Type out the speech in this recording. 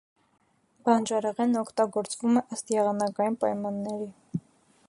Բանջարեղենն օգտագործվում է ըստ եղանակային պայմանների։